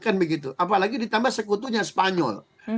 apalagi ditambah sekutunya spanyol